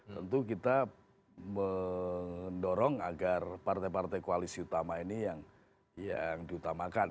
tentu kita mendorong agar partai partai koalisi utama ini yang diutamakan